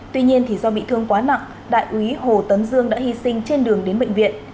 tuy nhiên do bị thương quá nặng đại úy hồ tấn dương đã hy sinh trên đường đến bệnh viện